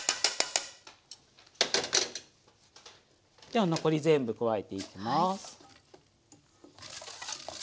では残り全部加えていきます。